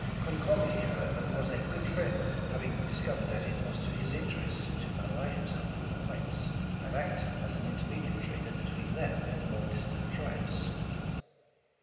Comcomly, however, was a good friend, having discov ered that it was to his interest to ally himself with the whites, and act as an intermediate trader between them and more distant tribes.